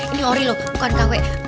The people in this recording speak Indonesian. ini ori loh bukan kw